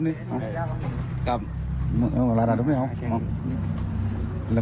ให้คอยให้ลองเล่นที่ไหน